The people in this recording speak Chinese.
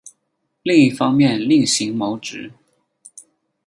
另一方面另行谋职